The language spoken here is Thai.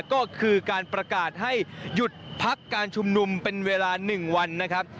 ก็คือการประกาศให้หยุดพักการชุมนุมเป็นเวลา๑วันนะครับ